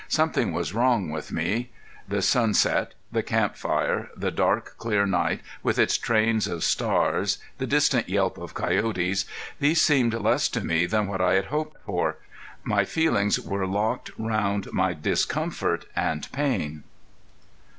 Something was wrong with me. The sunset, the camp fire, the dark clear night with its trains of stars, the distant yelp of coyotes these seemed less to me than what I had hoped for. My feelings were locked round my discomfort and pain.